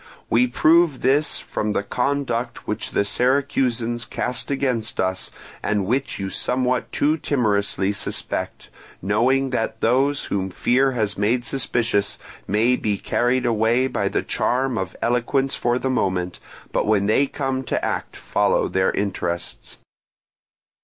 We prove this from the conduct which the Syracusans cast against us and which you somewhat too timorously suspect; knowing that those whom fear has made suspicious may be carried away by the charm of eloquence for the moment, but when they come to act follow their interests.